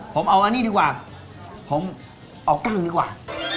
ผมเอาอันนี้ดีกว่าผมเอากั้งดีกว่า